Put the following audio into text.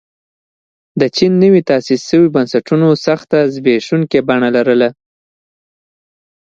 د چین نویو تاسیس شویو بنسټونو سخته زبېښونکې بڼه لرله.